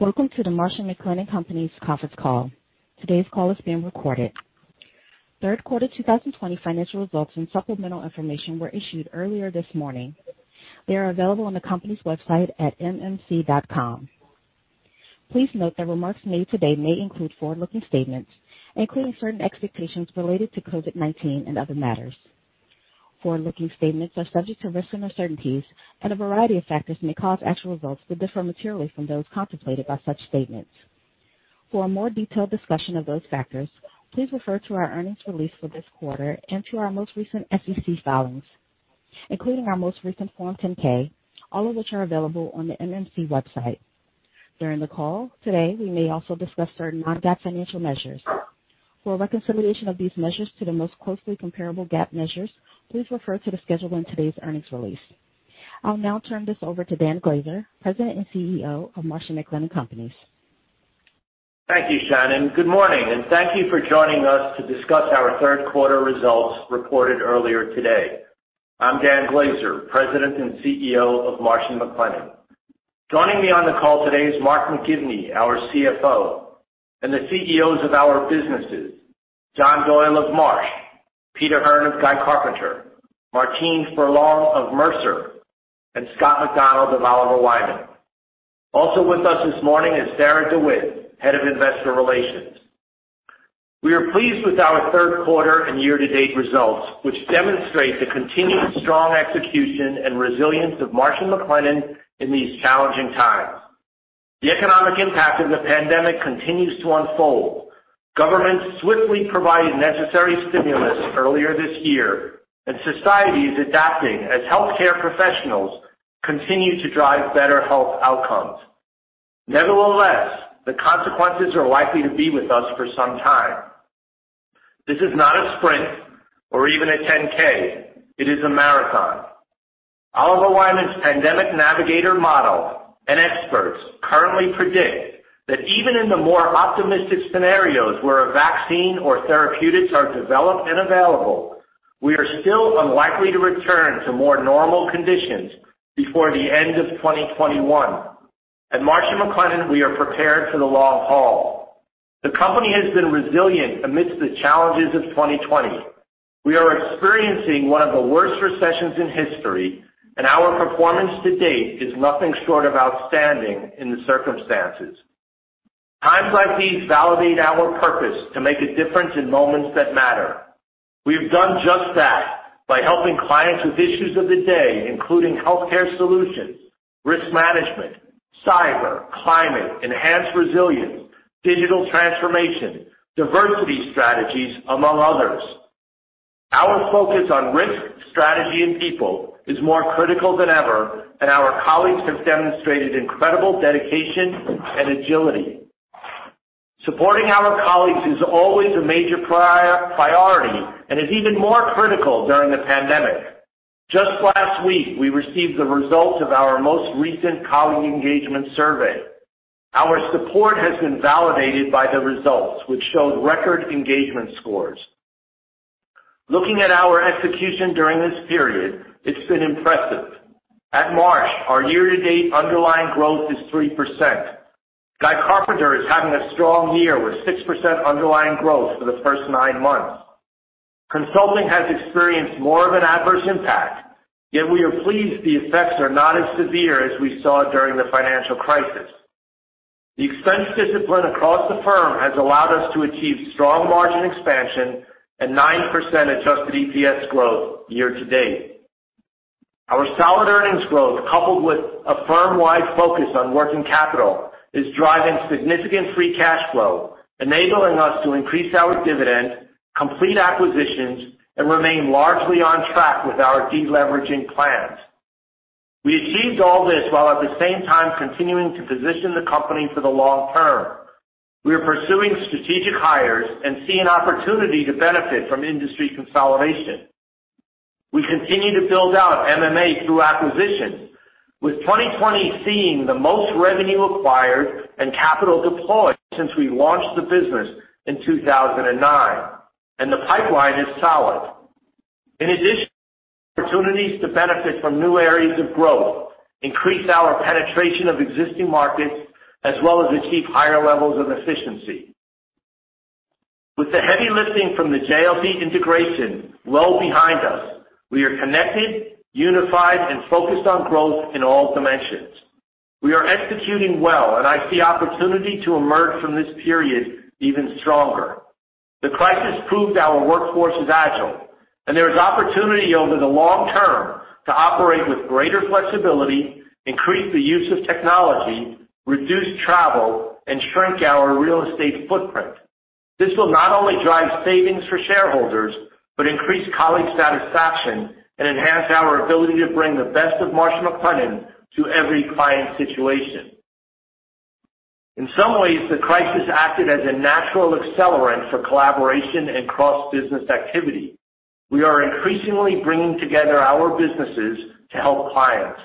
Welcome to the Marsh & McLennan Companies Conference call. Today's call is being recorded. Third quarter 2020 financial results and supplemental information were issued earlier this morning. They are available on the company's website at mmc.com. Please note that remarks made today may include forward-looking statements, including certain expectations related to COVID-19 and other matters. Forward-looking statements are subject to risks and uncertainties, and a variety of factors may cause actual results to differ materially from those contemplated by such statements. For a more detailed discussion of those factors, please refer to our earnings release for this quarter and to our most recent SEC filings, including our most recent Form 10-K, all of which are available on the MMC website. During the call today, we may also discuss certain non-GAAP financial measures. For reconciliation of these measures to the most closely comparable GAAP measures, please refer to the schedule in today's earnings release. I'll now turn this over to Dan Glaser, President and CEO of Marsh & McLennan Companies. Thank you, Shawn, and good morning. Thank you for joining us to discuss our third quarter results reported earlier today. I'm Dan Glaser, President and CEO of Marsh & McLennan. Joining me on the call today is Mark McGivney, our CFO, and the CEOs of our businesses, John Doyle of Marsh, Peter Hearn of Guy Carpenter, Martine Ferland of Mercer, and Scott McDonald of Oliver Wyman. Also with us this morning is Sarah DeWitt, Head of Investor Relations. We are pleased with our third quarter and year-to-date results, which demonstrate the continued strong execution and resilience of Marsh & McLennan in these challenging times. The economic impact of the pandemic continues to unfold. Governments swiftly provided necessary stimulus earlier this year, and society is adapting as healthcare professionals continue to drive better health outcomes. Nevertheless, the consequences are likely to be with us for some time. This is not a sprint or even a 10-K. It is a marathon. Oliver Wyman's Pandemic Navigator model and experts currently predict that even in the more optimistic scenarios where a vaccine or therapeutics are developed and available, we are still unlikely to return to more normal conditions before the end of 2021. At Marsh & McLennan, we are prepared for the long haul. The company has been resilient amidst the challenges of 2020. We are experiencing one of the worst recessions in history, and our performance to date is nothing short of outstanding in the circumstances. Times like these validate our purpose to make a difference in moments that matter. We have done just that by helping clients with issues of the day, including healthcare solutions, risk management, cyber, climate, enhanced resilience, digital transformation, diversity strategies, among others. Our focus on risk, strategy, and people is more critical than ever, and our colleagues have demonstrated incredible dedication and agility. Supporting our colleagues is always a major priority and is even more critical during the pandemic. Just last week, we received the results of our most recent colleague engagement survey. Our support has been validated by the results, which showed record engagement scores. Looking at our execution during this period, it's been impressive. At Marsh, our year-to-date underlying growth is 3%. Guy Carpenter is having a strong year with 6% underlying growth for the first nine months. Consulting has experienced more of an adverse impact, yet we are pleased the effects are not as severe as we saw during the financial crisis. The expense discipline across the firm has allowed us to achieve strong margin expansion and 9% adjusted EPS growth year-to-date. Our solid earnings growth, coupled with a firm-wide focus on working capital, is driving significant free cash flow, enabling us to increase our dividend, complete acquisitions, and remain largely on track with our de-leveraging plans. We achieved all this while at the same time continuing to position the company for the long term. We are pursuing strategic hires and see an opportunity to benefit from industry consolidation. We continue to build out MMA through acquisitions, with 2020 seeing the most revenue acquired and capital deployed since we launched the business in 2009, and the pipeline is solid. In addition, opportunities to benefit from new areas of growth increase our penetration of existing markets, as well as achieve higher levels of efficiency. With the heavy lifting from the JLT integration well behind us, we are connected, unified, and focused on growth in all dimensions. We are executing well, and I see opportunity to emerge from this period even stronger. The crisis proved our workforce is agile, and there is opportunity over the long term to operate with greater flexibility, increase the use of technology, reduce travel, and shrink our real estate footprint. This will not only drive savings for shareholders but increase colleague satisfaction and enhance our ability to bring the best of Marsh & McLennan to every client situation. In some ways, the crisis acted as a natural accelerant for collaboration and cross-business activity. We are increasingly bringing together our businesses to help clients.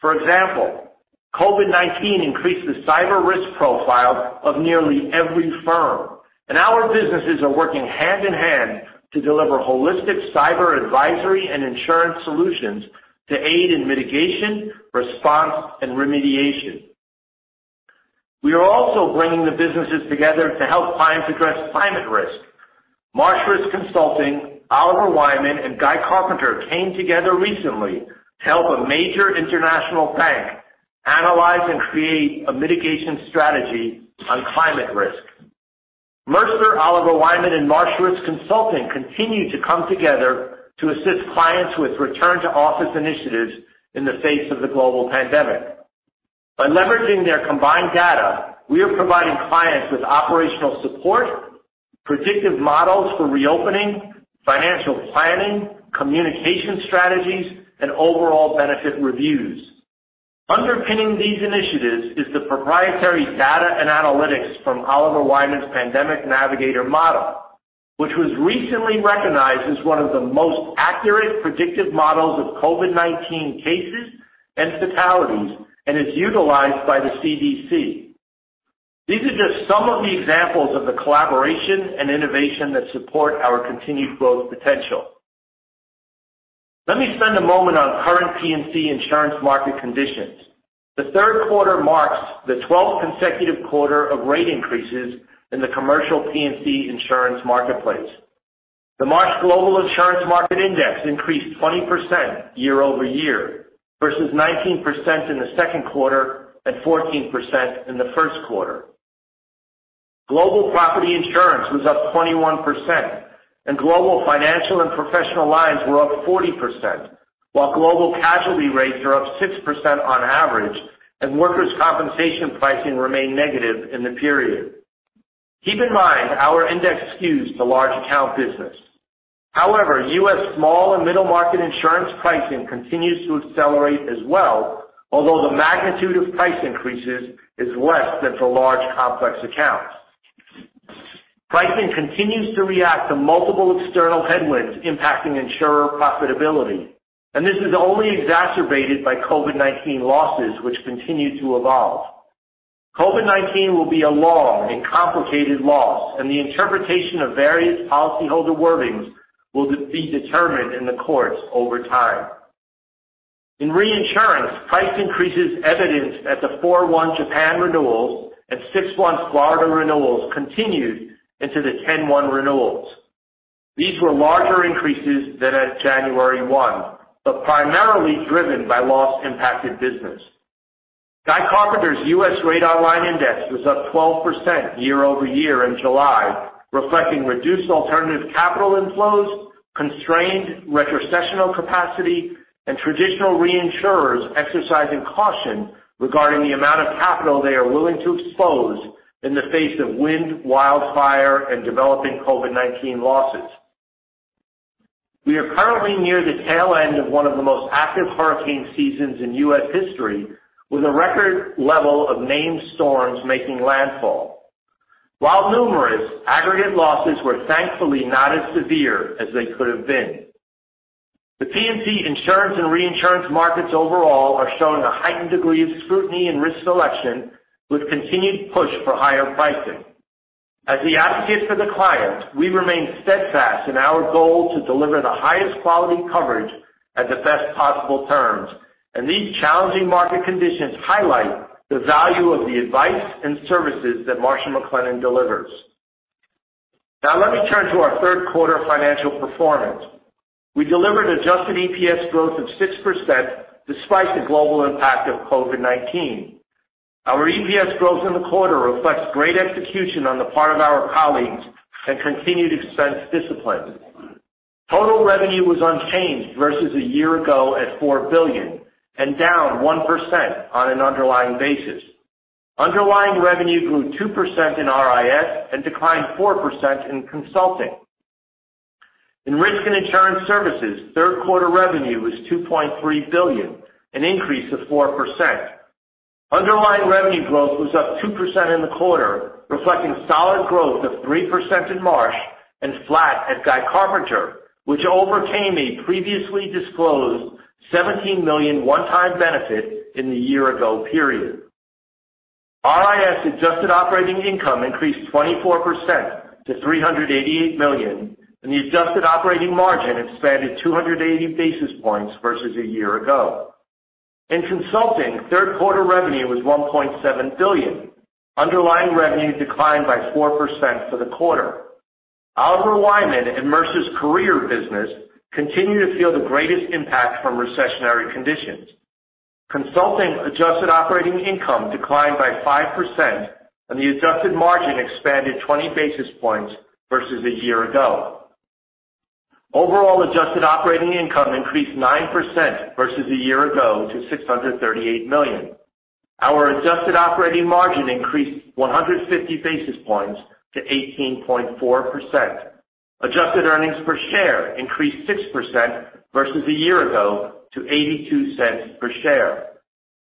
For example, COVID-19 increased the cyber risk profile of nearly every firm, and our businesses are working hand in hand to deliver holistic cyber advisory and insurance solutions to aid in mitigation, response, and remediation. We are also bringing the businesses together to help clients address climate risk. Marsh & Mercer Consulting, Oliver Wyman, and Guy Carpenter came together recently to help a major international bank analyze and create a mitigation strategy on climate risk. Mercer, Oliver Wyman, and Marsh & Mercer Consulting continue to come together to assist clients with return-to-office initiatives in the face of the global pandemic. By leveraging their combined data, we are providing clients with operational support, predictive models for reopening, financial planning, communication strategies, and overall benefit reviews. Underpinning these initiatives is the proprietary data and analytics from Oliver Wyman's pandemic navigator model, which was recently recognized as one of the most accurate predictive models of COVID-19 cases and fatalities and is utilized by the CDC. These are just some of the examples of the collaboration and innovation that support our continued growth potential. Let me spend a moment on current P&C insurance market conditions. The third quarter marks the 12th consecutive quarter of rate increases in the commercial P&C insurance marketplace. The Marsh Global Insurance Market Index increased 20% year-over-year versus 19% in the second quarter and 14% in the first quarter. Global property insurance was up 21%, and global financial and professional lines were up 40%, while global casualty rates are up 6% on average, and workers' compensation pricing remained negative in the period. Keep in mind our index skews to large account business. However, U.S. small and middle market insurance pricing continues to accelerate as well, although the magnitude of price increases is less than for large complex accounts. Pricing continues to react to multiple external headwinds impacting insurer profitability, and this is only exacerbated by COVID-19 losses, which continue to evolve. COVID-19 will be a long and complicated loss, and the interpretation of various policyholder wordings will be determined in the courts over time. In reinsurance, price increases evident at the 4-1 Japan renewals and 6-1 Florida renewals continued into the 10-1 renewals. These were larger increases than at January 1, but primarily driven by loss-impacted business. Guy Carpenter's U.S. rate online index was up 12% year-over-year in July, reflecting reduced alternative capital inflows, constrained retrocessional capacity, and traditional reinsurers exercising caution regarding the amount of capital they are willing to expose in the face of wind, wildfire, and developing COVID-19 losses. We are currently near the tail end of one of the most active hurricane seasons in U.S. history, with a record level of named storms making landfall. While numerous, aggregate losses were thankfully not as severe as they could have been. The P&C insurance and reinsurance markets overall are showing a heightened degree of scrutiny and risk selection with continued push for higher pricing. As the advocate for the client, we remain steadfast in our goal to deliver the highest quality coverage at the best possible terms, and these challenging market conditions highlight the value of the advice and services that Marsh & McLennan delivers. Now let me turn to our third quarter financial performance. We delivered adjusted EPS growth of 6% despite the global impact of COVID-19. Our EPS growth in the quarter reflects great execution on the part of our colleagues and continued expense discipline. Total revenue was unchanged versus a year ago at $4 billion and down 1% on an underlying basis. Underlying revenue grew 2% in RIS and declined 4% in consulting. In Risk and Insurance Services, third quarter revenue was $2.3 billion, an increase of 4%. Underlying revenue growth was up 2% in the quarter, reflecting solid growth of 3% in Marsh and flat at Guy Carpenter, which overcame a previously disclosed $17 million one-time benefit in the year-ago period. RIS adjusted operating income increased 24% to $388 million, and the adjusted operating margin expanded 280 basis points versus a year ago. In consulting, third quarter revenue was $1.7 billion. Underlying revenue declined by 4% for the quarter. Oliver Wyman and Mercer's career business continue to feel the greatest impact from recessionary conditions. Consulting adjusted operating income declined by 5%, and the adjusted margin expanded 20 basis points versus a year ago. Overall adjusted operating income increased 9% versus a year ago to $638 million. Our adjusted operating margin increased 150 basis points to 18.4%. Adjusted earnings per share increased 6% versus a year ago to $0.82 per share.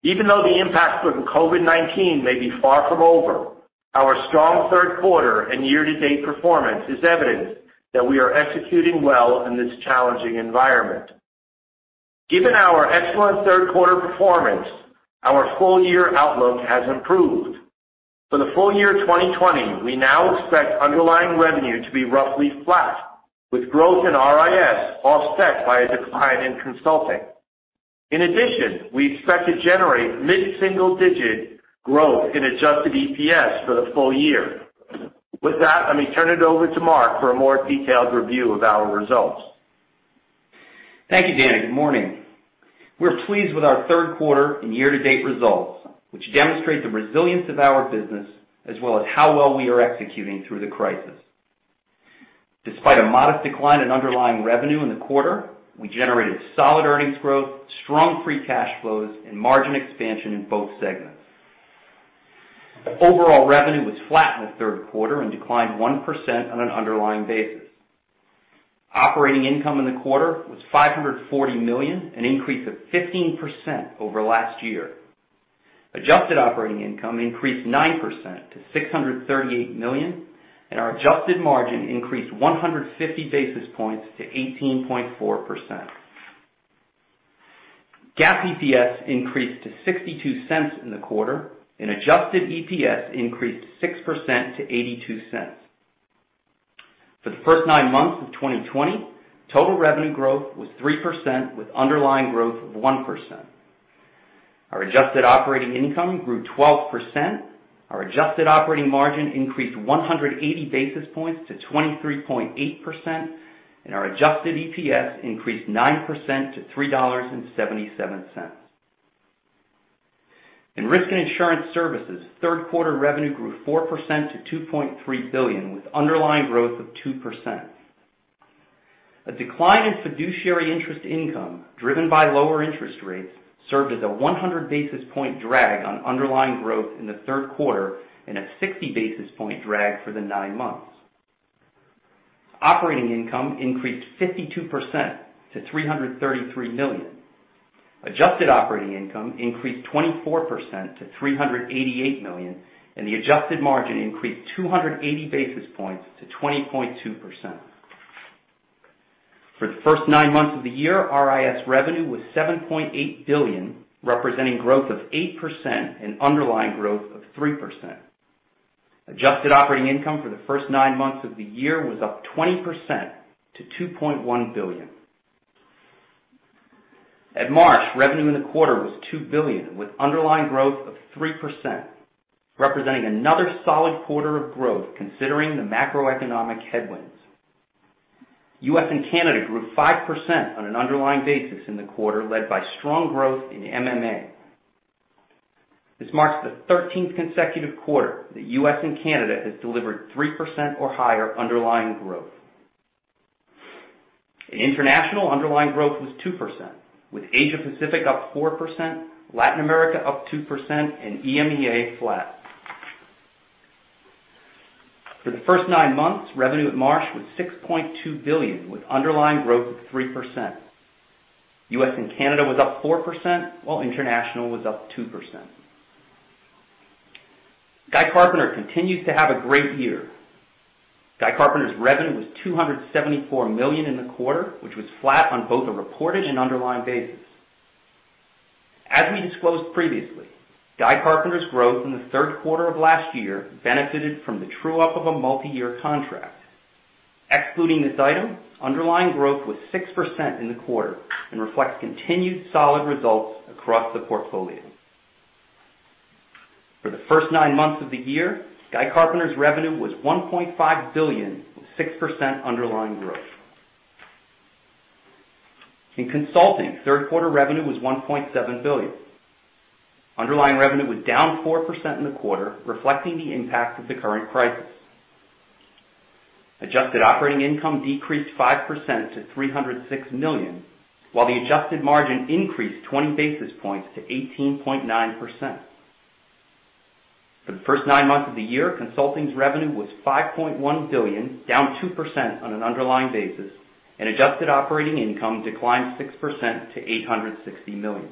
Even though the impact from COVID-19 may be far from over, our strong third quarter and year-to-date performance is evidence that we are executing well in this challenging environment. Given our excellent third quarter performance, our full-year outlook has improved. For the full year 2020, we now expect underlying revenue to be roughly flat, with growth in RIS offset by a decline in consulting. In addition, we expect to generate mid-single-digit growth in adjusted EPS for the full year. With that, let me turn it over to Mark for a more detailed review of our results. Thank you, Dan. Good morning. We're pleased with our third quarter and year-to-date results, which demonstrate the resilience of our business as well as how well we are executing through the crisis. Despite a modest decline in underlying revenue in the quarter, we generated solid earnings growth, strong free cash flows, and margin expansion in both segments. Overall revenue was flat in the third quarter and declined 1% on an underlying basis. Operating income in the quarter was $540 million, an increase of 15% over last year. Adjusted operating income increased 9% to $638 million, and our adjusted margin increased 150 basis points to 18.4%. GAAP EPS increased to $0.62 in the quarter, and adjusted EPS increased 6% to $0.82. For the first nine months of 2020, total revenue growth was 3% with underlying growth of 1%. Our adjusted operating income grew 12%. Our adjusted operating margin increased 180 basis points to 23.8%, and our adjusted EPS increased 9% to $3.77. In risk and insurance services, third quarter revenue grew 4% to $2.3 billion with underlying growth of 2%. A decline in fiduciary interest income driven by lower interest rates served as a 100 basis point drag on underlying growth in the third quarter and a 60 basis point drag for the nine months. Operating income increased 52% to $333 million. Adjusted operating income increased 24% to $388 million, and the adjusted margin increased 280 basis points to 20.2%. For the first nine months of the year, RIS revenue was $7.8 billion, representing growth of 8% and underlying growth of 3%. Adjusted operating income for the first nine months of the year was up 20% to $2.1 billion. At Marsh, revenue in the quarter was $2 billion with underlying growth of 3%, representing another solid quarter of growth considering the macroeconomic headwinds. U.S. and Canada grew 5% on an underlying basis in the quarter led by strong growth in MMA. This marks the 13th consecutive quarter that U.S. and Canada have delivered 3% or higher underlying growth. In international, underlying growth was 2%, with Asia-Pacific up 4%, Latin America up 2%, and EMEA flat. For the first nine months, revenue at Marsh was $6.2 billion with underlying growth of 3%. U.S. and Canada was up 4%, while international was up 2%. Guy Carpenter continues to have a great year. Guy Carpenter's revenue was $274 million in the quarter, which was flat on both a reported and underlying basis. As we disclosed previously, Guy Carpenter's growth in the third quarter of last year benefited from the true-up of a multi-year contract. Excluding this item, underlying growth was 6% in the quarter and reflects continued solid results across the portfolio. For the first nine months of the year, Guy Carpenter's revenue was $1.5 billion with 6% underlying growth. In consulting, third quarter revenue was $1.7 billion. Underlying revenue was down 4% in the quarter, reflecting the impact of the current crisis. Adjusted operating income decreased 5% to $306 million, while the adjusted margin increased 20 basis points to 18.9%. For the first nine months of the year, consulting's revenue was $5.1 billion, down 2% on an underlying basis, and adjusted operating income declined 6% to $860 million.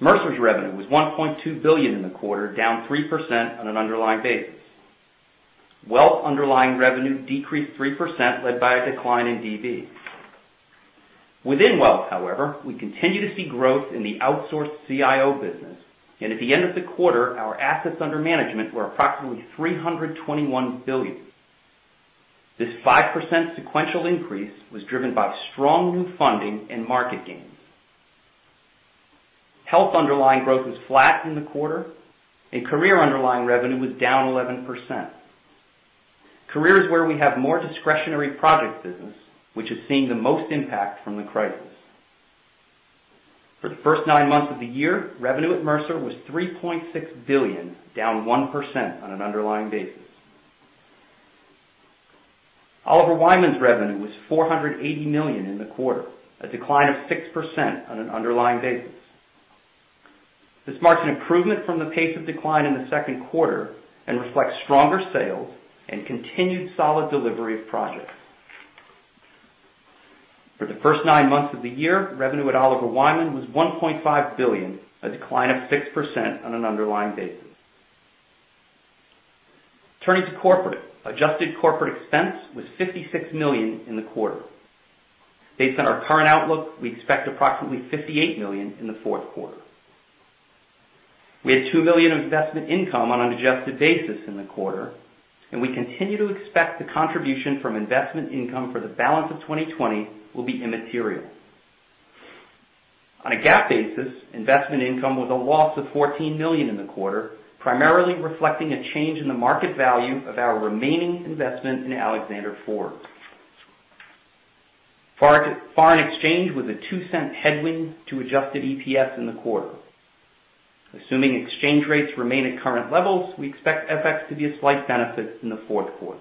Mercer's revenue was $1.2 billion in the quarter, down 3% on an underlying basis. Wealth underlying revenue decreased 3% led by a decline in DB. Within Wealth, however, we continue to see growth in the outsourced CIO business, and at the end of the quarter, our assets under management were approximately $321 billion. This 5% sequential increase was driven by strong new funding and market gains. Health underlying growth was flat in the quarter, and career underlying revenue was down 11%. Career is where we have more discretionary project business, which is seeing the most impact from the crisis. For the first nine months of the year, revenue at Mercer was $3.6 billion, down 1% on an underlying basis. Oliver Wyman's revenue was $480 million in the quarter, a decline of 6% on an underlying basis. This marks an improvement from the pace of decline in the second quarter and reflects stronger sales and continued solid delivery of projects. For the first nine months of the year, revenue at Oliver Wyman was $1.5 billion, a decline of 6% on an underlying basis. Turning to corporate, adjusted corporate expense was $56 million in the quarter. Based on our current outlook, we expect approximately $58 million in the fourth quarter. We had $2 million of investment income on an adjusted basis in the quarter, and we continue to expect the contribution from investment income for the balance of 2020 will be immaterial. On a GAAP basis, investment income was a loss of $14 million in the quarter, primarily reflecting a change in the market value of our remaining investment in Alexander Forbes. Foreign exchange was a $0.02 headwind to adjusted EPS in the quarter. Assuming exchange rates remain at current levels, we expect FX to be a slight benefit in the fourth quarter.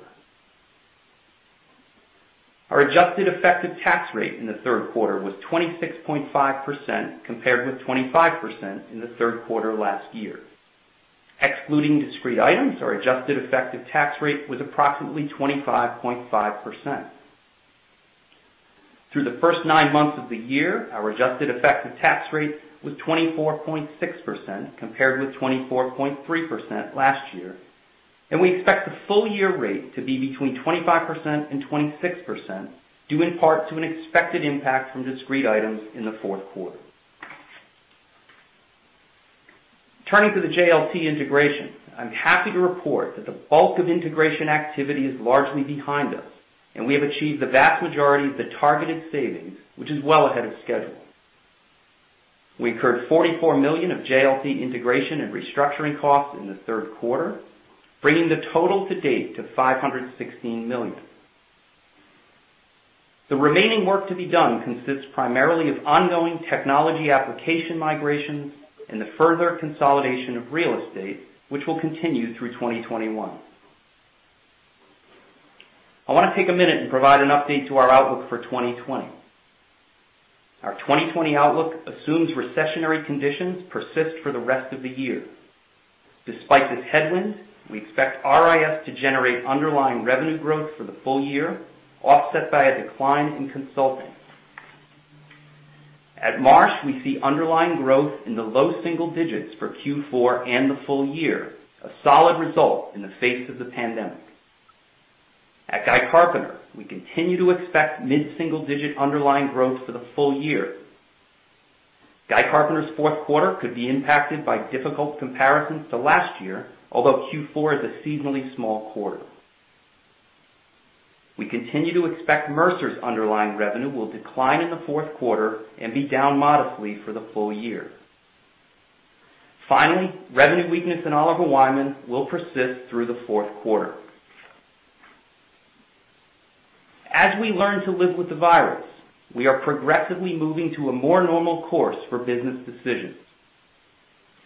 Our adjusted effective tax rate in the third quarter was 26.5% compared with 25% in the third quarter last year. Excluding discrete items, our adjusted effective tax rate was approximately 25.5%. Through the first nine months of the year, our adjusted effective tax rate was 24.6% compared with 24.3% last year, and we expect the full-year rate to be between 25% and 26%, due in part to an expected impact from discrete items in the fourth quarter. Turning to the JLT integration, I'm happy to report that the bulk of integration activity is largely behind us, and we have achieved the vast majority of the targeted savings, which is well ahead of schedule. We incurred $44 million of JLT integration and restructuring costs in the third quarter, bringing the total to date to $516 million. The remaining work to be done consists primarily of ongoing technology application migrations and the further consolidation of real estate, which will continue through 2021. I want to take a minute and provide an update to our outlook for 2020. Our 2020 outlook assumes recessionary conditions persist for the rest of the year. Despite this headwind, we expect RIS to generate underlying revenue growth for the full year, offset by a decline in consulting. At Marsh, we see underlying growth in the low single digits for Q4 and the full year, a solid result in the face of the pandemic. At Guy Carpenter, we continue to expect mid-single-digit underlying growth for the full year. Guy Carpenter's fourth quarter could be impacted by difficult comparisons to last year, although Q4 is a seasonally small quarter. We continue to expect Mercer's underlying revenue will decline in the fourth quarter and be down modestly for the full year. Finally, revenue weakness in Oliver Wyman will persist through the fourth quarter. As we learn to live with the virus, we are progressively moving to a more normal course for business decisions.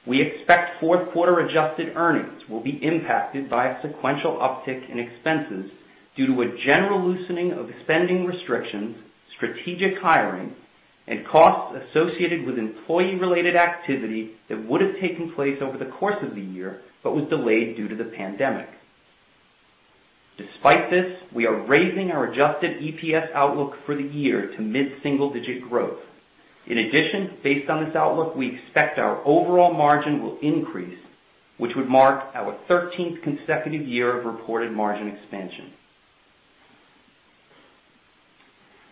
We expect fourth quarter adjusted earnings will be impacted by a sequential uptick in expenses due to a general loosening of spending restrictions, strategic hiring, and costs associated with employee-related activity that would have taken place over the course of the year but was delayed due to the pandemic. Despite this, we are raising our adjusted EPS outlook for the year to mid-single-digit growth. In addition, based on this outlook, we expect our overall margin will increase, which would mark our 13th consecutive year of reported margin expansion.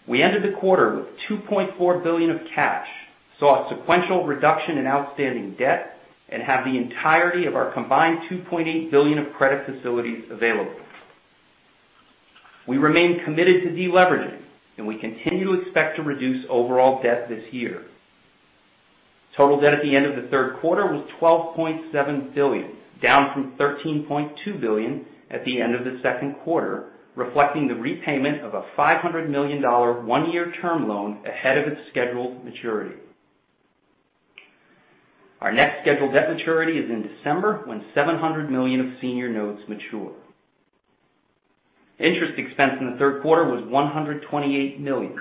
We ended the quarter with $2.4 billion of cash, saw a sequential reduction in outstanding debt, and have the entirety of our combined $2.8 billion of credit facilities available. We remain committed to deleveraging, and we continue to expect to reduce overall debt this year. Total debt at the end of the third quarter was $12.7 billion, down from $13.2 billion at the end of the second quarter, reflecting the repayment of a $500 million one-year term loan ahead of its scheduled maturity. Our next scheduled debt maturity is in December when $700 million of senior notes mature. Interest expense in the third quarter was $128 million.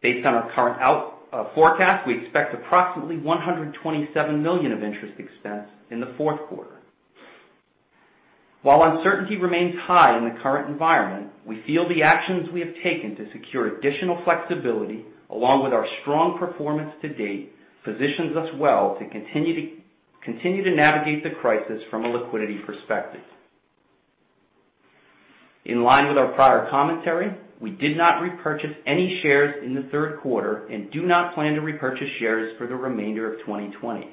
Based on our current forecast, we expect approximately $127 million of interest expense in the fourth quarter. While uncertainty remains high in the current environment, we feel the actions we have taken to secure additional flexibility, along with our strong performance to date, positions us well to continue to navigate the crisis from a liquidity perspective. In line with our prior commentary, we did not repurchase any shares in the third quarter and do not plan to repurchase shares for the remainder of 2020.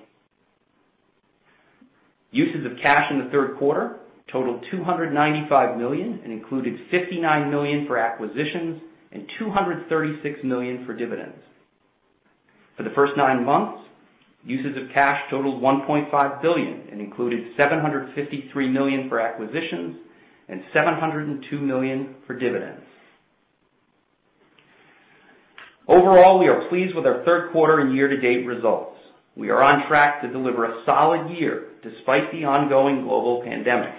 Uses of cash in the third quarter totaled $295 million and included $59 million for acquisitions and $236 million for dividends. For the first nine months, uses of cash totaled $1.5 billion and included $753 million for acquisitions and $702 million for dividends. Overall, we are pleased with our third quarter and year-to-date results. We are on track to deliver a solid year despite the ongoing global pandemic.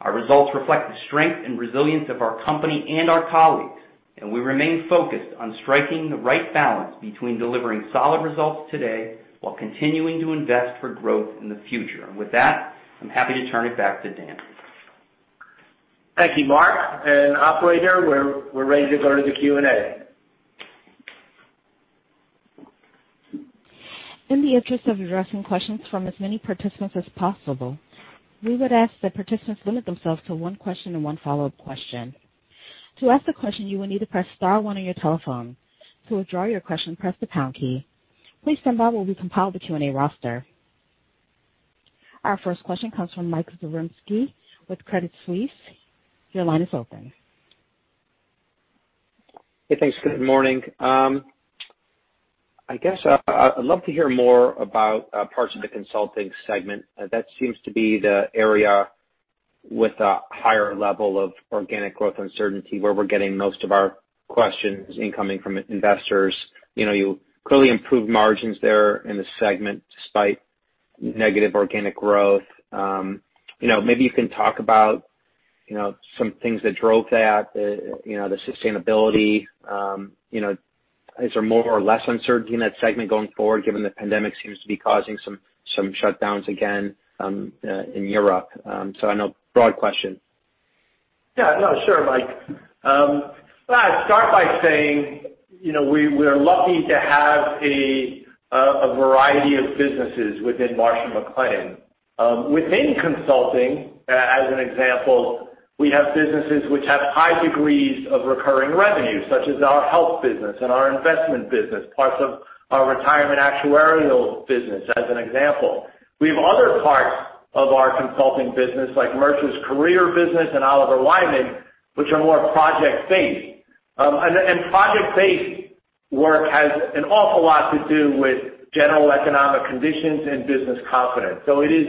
Our results reflect the strength and resilience of our company and our colleagues, and we remain focused on striking the right balance between delivering solid results today while continuing to invest for growth in the future. I am happy to turn it back to Dan. Thank you, Mark. Operator, we are ready to go to the Q&A. In the interest of addressing questions from as many participants as possible, we would ask that participants limit themselves to one question and one follow-up question. To ask a question, you will need to press star one on your telephone. To withdraw your question, press the pound key. Please stand by while we compile the Q&A roster. Our first question comes from Mike Zaremski with Credit Suisse. Your line is open. Hey, thanks. Good morning. I guess I'd love to hear more about parts of the consulting segment. That seems to be the area with a higher level of organic growth uncertainty where we're getting most of our questions incoming from investors. You clearly improved margins there in the segment despite negative organic growth. Maybe you can talk about some things that drove that, the sustainability. Is there more or less uncertainty in that segment going forward, given the pandemic seems to be causing some shutdowns again in Europe? I know broad question. Yeah, no, sure, Mike. I'd start by saying we are lucky to have a variety of businesses within Marsh & McLennan. Within consulting, as an example, we have businesses which have high degrees of recurring revenue, such as our health business and our investment business, parts of our retirement actuarial business, as an example. We have other parts of our consulting business, like Mercer's career business and Oliver Wyman, which are more project-based. Project-based work has an awful lot to do with general economic conditions and business confidence. It is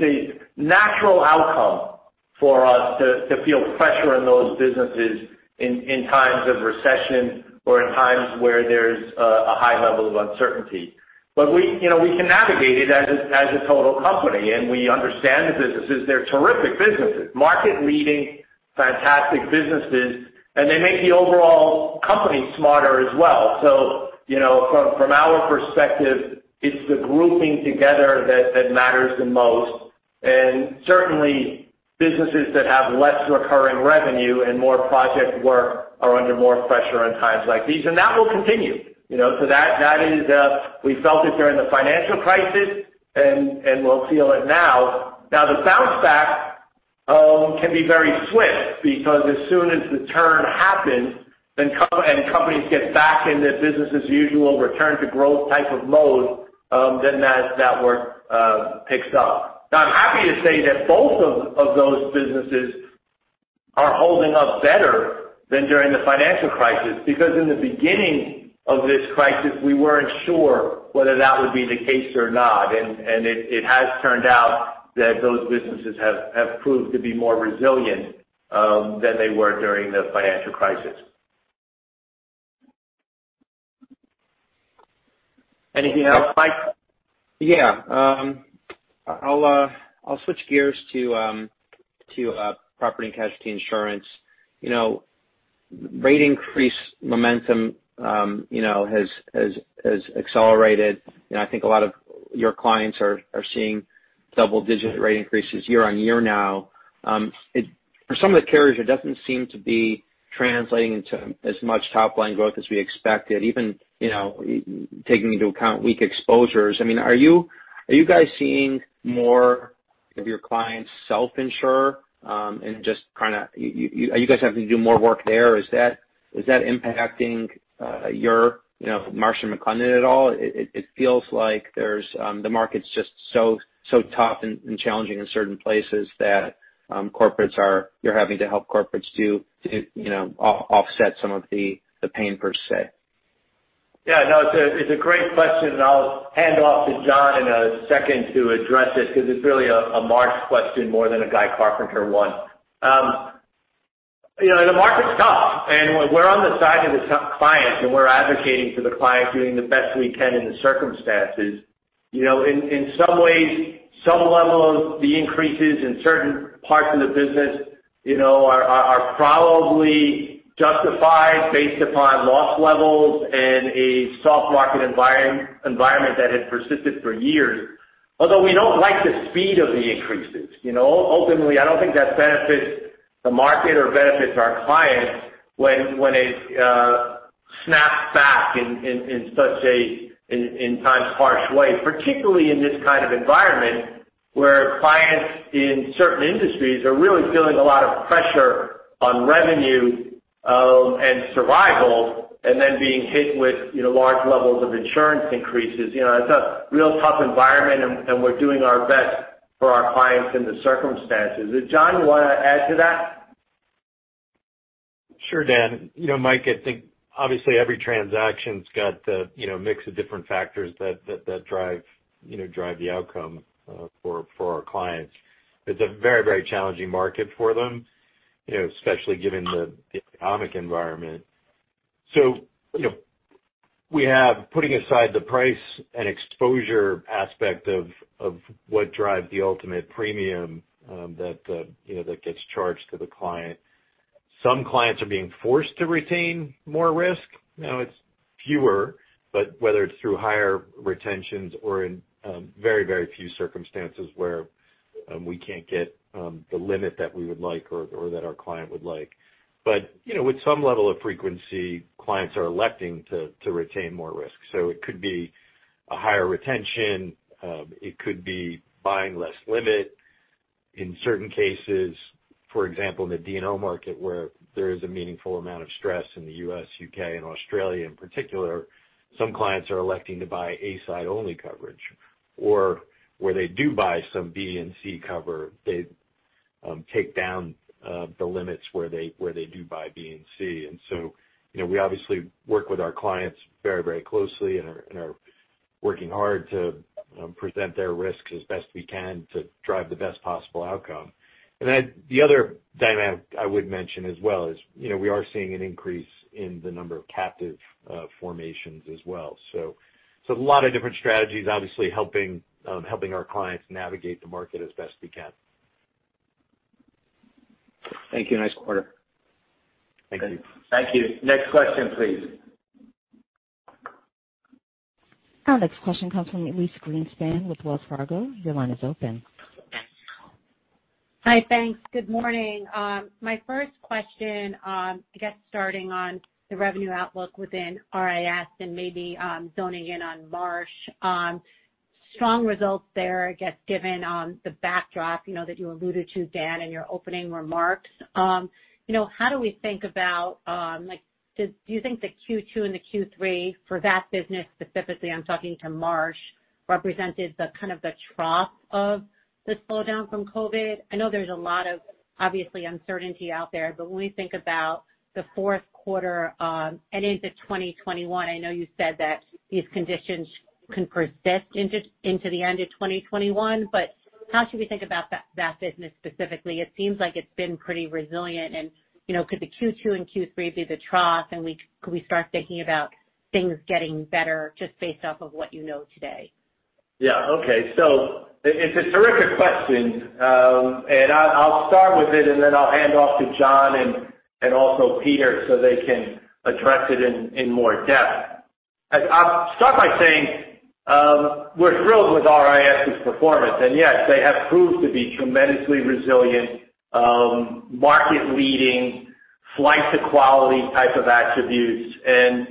a natural outcome for us to feel pressure in those businesses in times of recession or in times where there's a high level of uncertainty. We can navigate it as a total company, and we understand the businesses. They're terrific businesses, market-leading, fantastic businesses, and they make the overall company smarter as well. From our perspective, it's the grouping together that matters the most. Certainly, businesses that have less recurring revenue and more project work are under more pressure in times like these, and that will continue. We felt it during the financial crisis, and we'll feel it now. The bounce back can be very swift because as soon as the turn happens and companies get back in their business-as-usual return-to-growth type of mode, then that work picks up. I'm happy to say that both of those businesses are holding up better than during the financial crisis because in the beginning of this crisis, we weren't sure whether that would be the case or not. It has turned out that those businesses have proved to be more resilient than they were during the financial crisis. Anything else, Mike? Yeah. I'll switch gears to property and casualty insurance. Rate increase momentum has accelerated. I think a lot of your clients are seeing double-digit rate increases year on year now. For some of the carriers, it doesn't seem to be translating into as much top-line growth as we expected, even taking into account weak exposures. I mean, are you guys seeing more of your clients self-insure and just kind of are you guys having to do more work there? Is that impacting your Marsh & McLennan at all? It feels like the market's just so tough and challenging in certain places that you're having to help corporates do to offset some of the pain, per se. Yeah, no, it's a great question, and I'll hand off to John in a second to address it because it's really a Marsh's question more than a Guy Carpenter one. The market's tough, and we're on the side of the clients, and we're advocating for the clients doing the best we can in the circumstances. In some ways, some level of the increases in certain parts of the business are probably justified based upon loss levels and a soft market environment that had persisted for years, although we don't like the speed of the increases. Ultimately, I don't think that benefits the market or benefits our clients when it snaps back in such a times-harsh way, particularly in this kind of environment where clients in certain industries are really feeling a lot of pressure on revenue and survival and then being hit with large levels of insurance increases. It's a real tough environment, and we're doing our best for our clients in the circumstances. John, you want to add to that? Sure, Dan. Mike, I think obviously every transaction's got a mix of different factors that drive the outcome for our clients. It's a very, very challenging market for them, especially given the economic environment. We have, putting aside the price and exposure aspect of what drives the ultimate premium that gets charged to the client. Some clients are being forced to retain more risk. Now, it's fewer, but whether it's through higher retentions or in very, very few circumstances where we can't get the limit that we would like or that our client would like. With some level of frequency, clients are electing to retain more risk. It could be a higher retention. It could be buying less limit. In certain cases, for example, in the D&O market where there is a meaningful amount of stress in the U.S., U.K., and Australia in particular, some clients are electing to buy A-side-only coverage. Where they do buy some B and C cover, they take down the limits where they do buy B and C. We obviously work with our clients very, very closely and are working hard to present their risks as best we can to drive the best possible outcome. The other dynamic I would mention as well is we are seeing an increase in the number of captive formations as well. It is a lot of different strategies, obviously helping our clients navigate the market as best we can. Thank you. Nice quarter. Thank you. Thank you. Next question, please. Our next question comes from Elyse Greenspan with Wells Fargo. Your line is open. Hi, thanks. Good morning. My first question, I guess starting on the revenue outlook within RIS and maybe zoning in on Marsh, strong results there, I guess, given the backdrop that you alluded to, Dan, in your opening remarks. How do we think about do you think the Q2 and the Q3 for that business, specifically I'm talking to Marsh, represented kind of the trough of the slowdown from COVID? I know there's a lot of, obviously, uncertainty out there, but when we think about the fourth quarter and into 2021, I know you said that these conditions can persist into the end of 2021, but how should we think about that business specifically? It seems like it's been pretty resilient, and could the Q2 and Q3 be the trough, and could we start thinking about things getting better just based off of what you know today? Yeah, okay. It is a terrific question, and I'll start with it, then I'll hand off to John and also Peter so they can address it in more depth. I'll start by saying we're thrilled with RIS's performance, and yes, they have proved to be tremendously resilient, market-leading, flight-to-quality type of attributes. I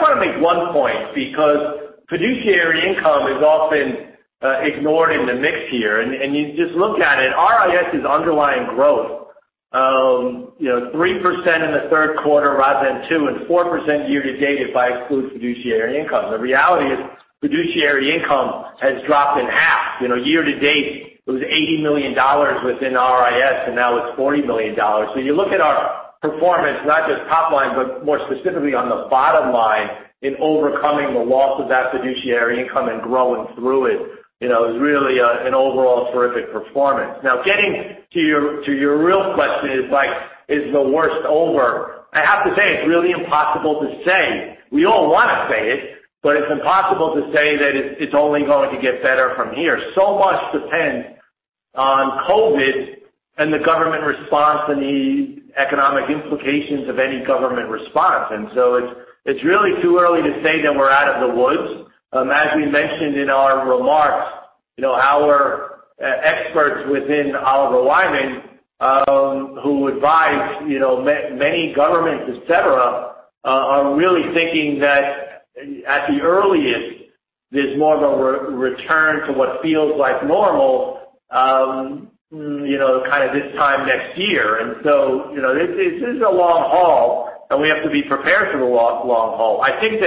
want to make one point because fiduciary income is often ignored in the mix here, and you just look at it. RIS's underlying growth, 3% in the third quarter rather than 2%, and 4% year-to-date if I exclude fiduciary income. The reality is fiduciary income has dropped in half. Year-to-date, it was $80 million within RIS, and now it's $40 million. You look at our performance, not just top line, but more specifically on the bottom line in overcoming the loss of that fiduciary income and growing through it, it's really an overall terrific performance. Now, getting to your real question is, Mike, is the worst over? I have to say it's really impossible to say. We all want to say it, but it's impossible to say that it's only going to get better from here. So much depends on COVID and the government response and the economic implications of any government response. It's really too early to say that we're out of the woods. As we mentioned in our remarks, our experts within Oliver Wyman, who advise many governments, etc., are really thinking that at the earliest, there's more of a return to what feels like normal kind of this time next year. This is a long haul, and we have to be prepared for the long haul. I think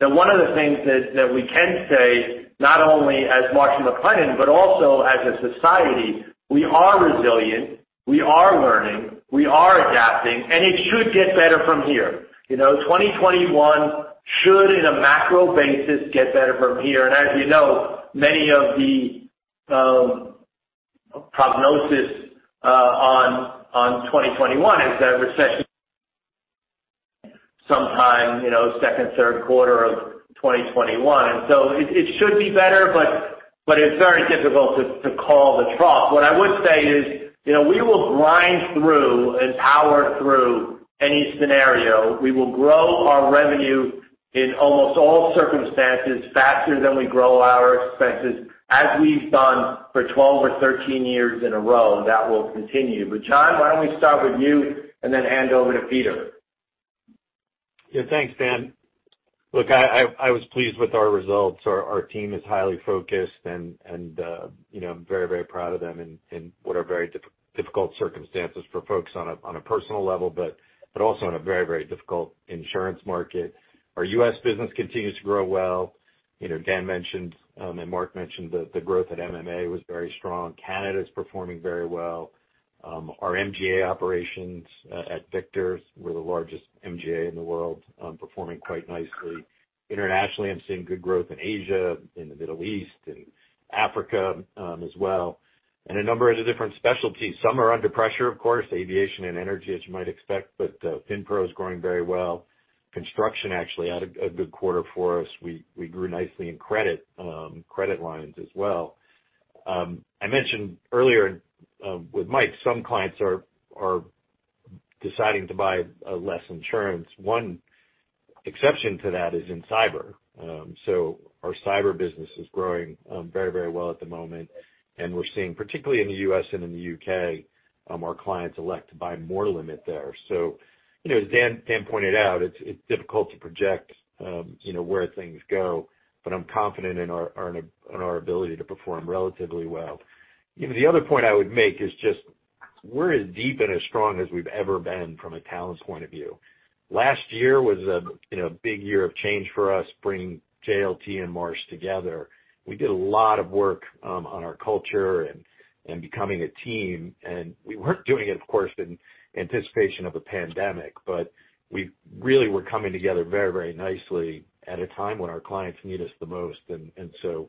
that one of the things that we can say, not only as Marsh & McLennan, but also as a society, we are resilient, we are learning, we are adapting, and it should get better from here. 2021 should, in a macro basis, get better from here. As you know, many of the prognosis on 2021 is that recession sometime second, third quarter of 2021. It should be better, but it's very difficult to call the trough. What I would say is we will grind through and power through any scenario. We will grow our revenue in almost all circumstances faster than we grow our expenses, as we've done for 12 or 13 years in a row. That will continue. John, why don't we start with you and then hand over to Peter? Yeah, thanks, Dan. Look, I was pleased with our results. Our team is highly focused, and I'm very, very proud of them in what are very difficult circumstances for folks on a personal level, but also in a very, very difficult insurance market. Our U.S. business continues to grow well. Dan mentioned, and Mark mentioned, that the growth at MMA was very strong. Canada is performing very well. Our MGA operations at Victor, we're the largest MGA in the world, performing quite nicely. Internationally, I'm seeing good growth in Asia, in the Middle East, and Africa as well. A number of the different specialties. Some are under pressure, of course, aviation and energy, as you might expect, but FinPro is growing very well. Construction actually had a good quarter for us. We grew nicely in credit lines as well. I mentioned earlier with Mike, some clients are deciding to buy less insurance. One exception to that is in cyber. Our cyber business is growing very, very well at the moment, and we're seeing, particularly in the U.S. and in the U.K., our clients elect to buy more limit there. As Dan pointed out, it's difficult to project where things go, but I'm confident in our ability to perform relatively well. The other point I would make is just we're as deep and as strong as we've ever been from a talent point of view. Last year was a big year of change for us bringing JLT and Marsh together. We did a lot of work on our culture and becoming a team, and we were not doing it, of course, in anticipation of a pandemic, but we really were coming together very, very nicely at a time when our clients need us the most. The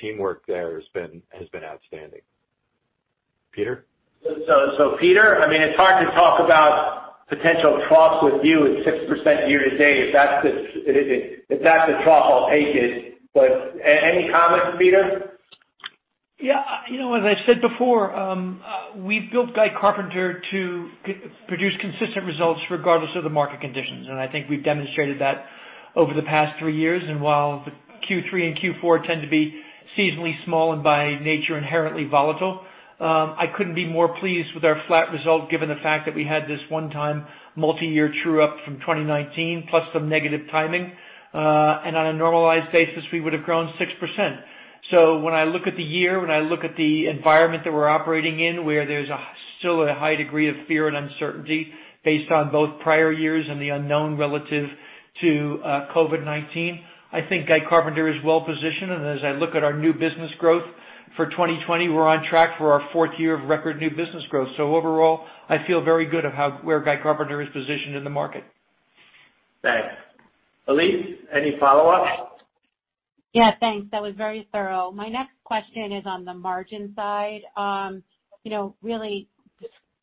teamwork there has been outstanding. Peter? Peter, I mean, it's hard to talk about potential troughs with you at 6% year-to-date. If that's the trough, I'll take it. Any comments, Peter? Yeah. As I said before, we've built Guy Carpenter to produce consistent results regardless of the market conditions, and I think we've demonstrated that over the past three years. While the Q3 and Q4 tend to be seasonally small and by nature inherently volatile, I couldn't be more pleased with our flat result given the fact that we had this one-time multi-year true-up from 2019, plus some negative timing. On a normalized basis, we would have grown 6%. When I look at the year, when I look at the environment that we're operating in, where there's still a high degree of fear and uncertainty based on both prior years and the unknown relative to COVID-19, I think Guy Carpenter is well positioned. As I look at our new business growth for 2020, we're on track for our fourth year of record new business growth. Overall, I feel very good of where Guy Carpenter is positioned in the market. Thanks. Elyse, any follow-ups? Yeah, thanks. That was very thorough. My next question is on the margin side. Really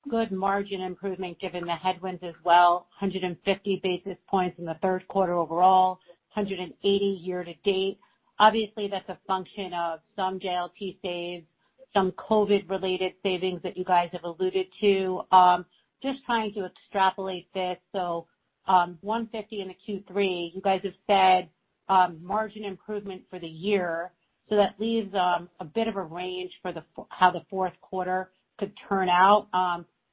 good margin improvement given the headwinds as well. 150 basis points in the third quarter overall, 180 year-to-date. Obviously, that's a function of some JLT saves, some COVID-related savings that you guys have alluded to. Just trying to extrapolate this. 150 in the Q3, you guys have said margin improvement for the year. That leaves a bit of a range for how the fourth quarter could turn out.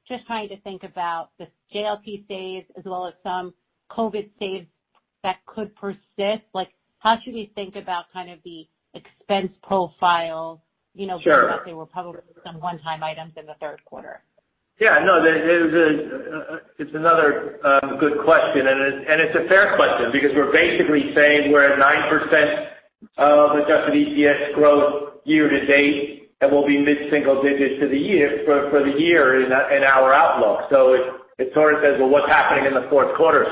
Just trying to think about the JLT saves as well as some COVID saves that could persist. How should we think about kind of the expense profile? I think there were probably some one-time items in the third quarter. Yeah, no, it's another good question, and it's a fair question because we're basically saying we're at 9% of adjusted EPS growth year-to-date, and we'll be mid-single digits for the year in our outlook. It sort of says, well, what's happening in the fourth quarter?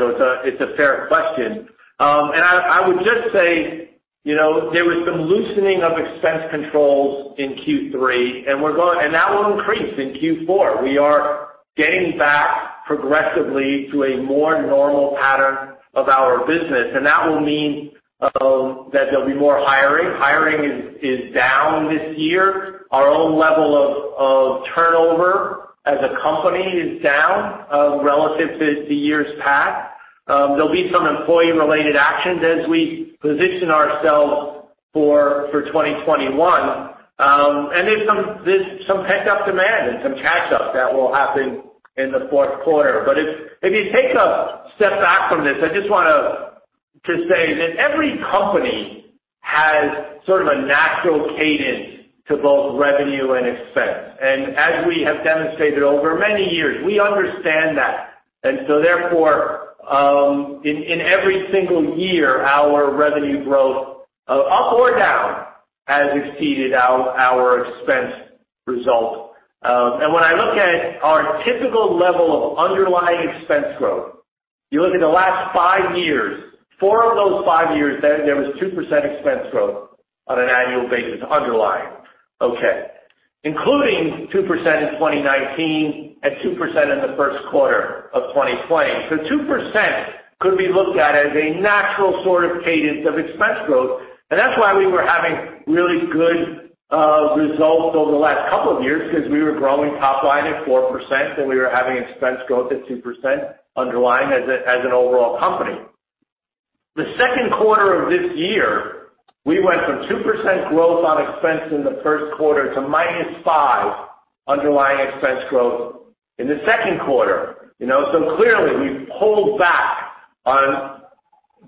It's a fair question. I would just say there was some loosening of expense controls in Q3, and that will increase in Q4. We are getting back progressively to a more normal pattern of our business, and that will mean that there'll be more hiring. Hiring is down this year. Our own level of turnover as a company is down relative to years past. There'll be some employee-related actions as we position ourselves for 2021. There's some pent-up demand and some catch-up that will happen in the fourth quarter. If you take a step back from this, I just want to say that every company has sort of a natural cadence to both revenue and expense. As we have demonstrated over many years, we understand that. Therefore, in every single year, our revenue growth, up or down, has exceeded our expense result. When I look at our typical level of underlying expense growth, you look at the last five years, four of those five years, there was 2% expense growth on an annual basis, underlying, including 2% in 2019 and 2% in the first quarter of 2020. So 2% could be looked at as a natural sort of cadence of expense growth. That is why we were having really good results over the last couple of years because we were growing top line at 4%, and we were having expense growth at 2% underlying as an overall company. The second quarter of this year, we went from 2% growth on expense in the first quarter to -5% underlying expense growth in the second quarter. Clearly, we pulled back on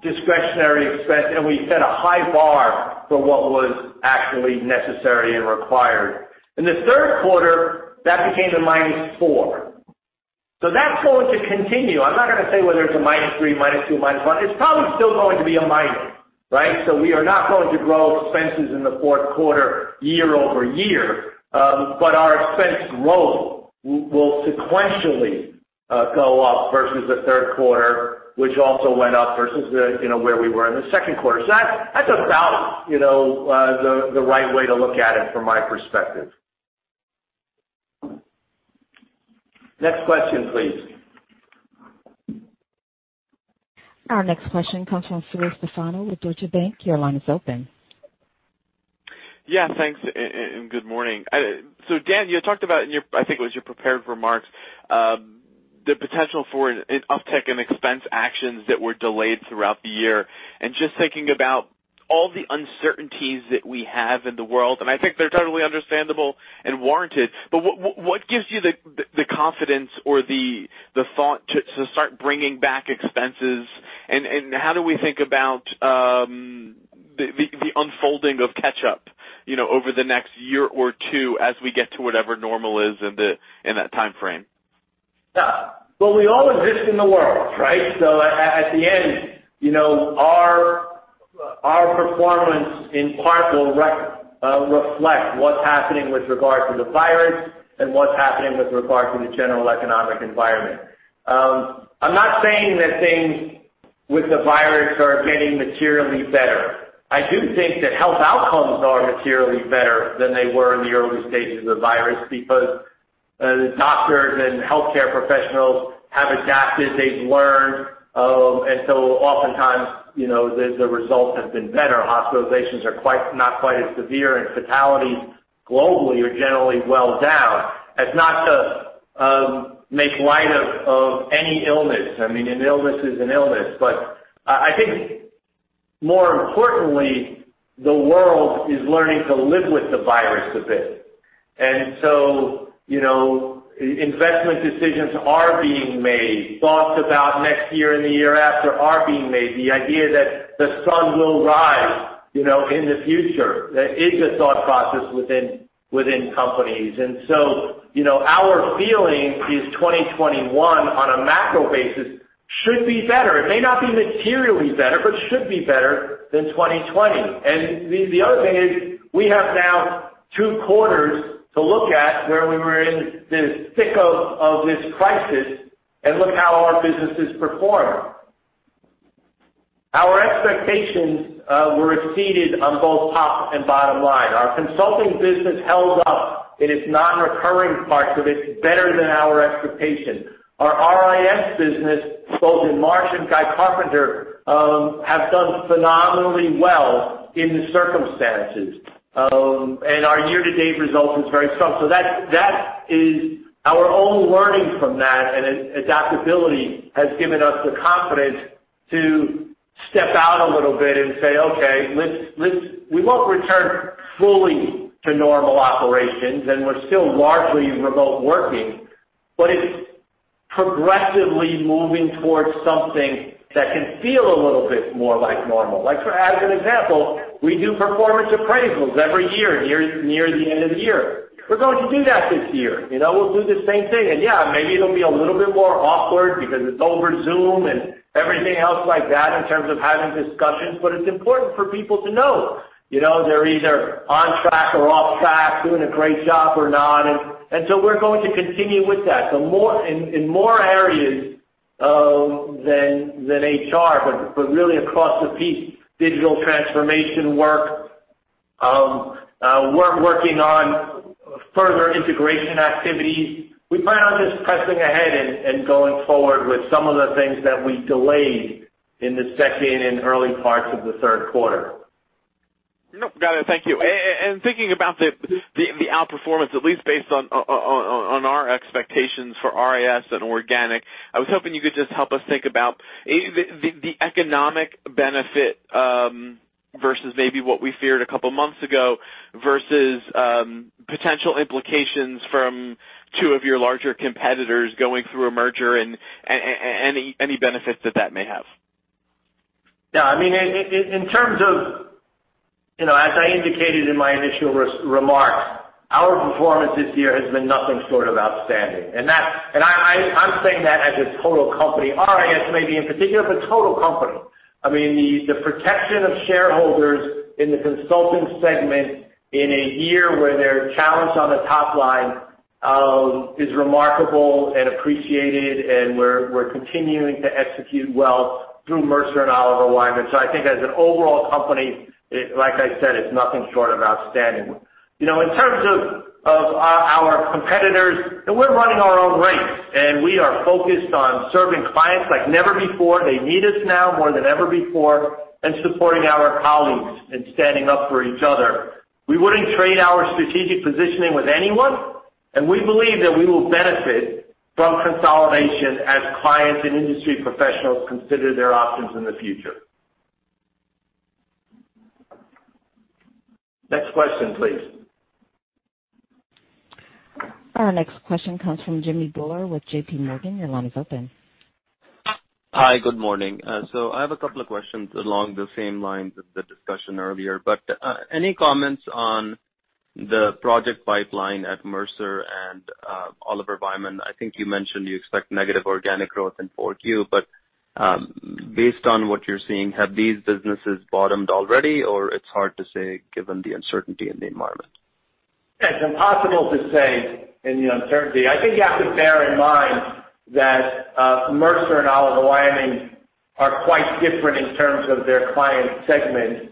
discretionary expense, and we set a high bar for what was actually necessary and required. In the third quarter, that became a -4%. That is going to continue. I am not going to say whether it is a -3%, -2%, -1%. It is probably still going to be a minus, right? We are not going to grow expenses in the fourth quarter year over year, but our expense growth will sequentially go up versus the third quarter, which also went up versus where we were in the second quarter. That is about the right way to look at it from my perspective. Next question, please. Our next question comes from Philip Stefano with Deutsche Bank. Your line is open. Yeah, thanks, and good morning. Dan, you talked about, I think it was your prepared remarks, the potential for uptick in expense actions that were delayed throughout the year. Just thinking about all the uncertainties that we have in the world, and I think they're totally understandable and warranted, what gives you the confidence or the thought to start bringing back expenses? How do we think about the unfolding of catch-up over the next year or two as we get to whatever normal is in that timeframe? Yeah. We all exist in the world, right? At the end, our performance in part will reflect what's happening with regard to the virus and what's happening with regard to the general economic environment. I'm not saying that things with the virus are getting materially better. I do think that health outcomes are materially better than they were in the early stages of the virus because doctors and healthcare professionals have adapted. They've learned. Oftentimes, the results have been better. Hospitalizations are not quite as severe, and fatalities globally are generally well down. That's not to make light of any illness. I mean, an illness is an illness. I think more importantly, the world is learning to live with the virus a bit. Investment decisions are being made. Thoughts about next year and the year after are being made. The idea that the sun will rise in the future is a thought process within companies. Our feeling is 2021 on a macro basis should be better. It may not be materially better, but it should be better than 2020. The other thing is we have now two quarters to look at where we were in the thick of this crisis and look at how our businesses performed. Our expectations were exceeded on both top and bottom line. Our consulting business held up in its non-recurring parts of it better than our expectation. Our RIS business, both in Marsh and Guy Carpenter, have done phenomenally well in the circumstances. Our year-to-date result is very strong. That is our own learning from that, and adaptability has given us the confidence to step out a little bit and say, "Okay, we won't return fully to normal operations, and we're still largely remote working, but it's progressively moving towards something that can feel a little bit more like normal." As an example, we do performance appraisals every year near the end of the year. We're going to do that this year. We'll do the same thing. Yeah, maybe it'll be a little bit more awkward because it's over Zoom and everything else like that in terms of having discussions, but it's important for people to know they're either on track or off track, doing a great job or not. We're going to continue with that in more areas than HR, but really across the piece, digital transformation work, working on further integration activities. We plan on just pressing ahead and going forward with some of the things that we delayed in the second and early parts of the third quarter. No, got it. Thank you. Thinking about the outperformance, at least based on our expectations for RIS and organic, I was hoping you could just help us think about the economic benefit versus maybe what we feared a couple of months ago versus potential implications from two of your larger competitors going through a merger and any benefits that that may have. Yeah. I mean, in terms of, as I indicated in my initial remarks, our performance this year has been nothing short of outstanding. I am saying that as a total company. RIS may be in particular, but total company. I mean, the protection of shareholders in the consulting segment in a year where they are challenged on the top line is remarkable and appreciated, and we are continuing to execute well through Mercer and Oliver Wyman. I think as an overall company, like I said, it is nothing short of outstanding. In terms of our competitors, we are running our own ranks, and we are focused on serving clients like never before. They need us now more than ever before and supporting our colleagues and standing up for each other. We wouldn't trade our strategic positioning with anyone, and we believe that we will benefit from consolidation as clients and industry professionals consider their options in the future. Next question, please. Our next question comes from Jimmy Bhullar with JPMorgan. Your line is open. Hi, good morning. I have a couple of questions along the same lines of the discussion earlier, but any comments on the project pipeline at Mercer and Oliver Wyman? I think you mentioned you expect negative organic growth in 4Q, but based on what you're seeing, have these businesses bottomed already, or it's hard to say given the uncertainty in the environment? It's impossible to say in the uncertainty. I think you have to bear in mind that Mercer and Oliver Wyman are quite different in terms of their client segment.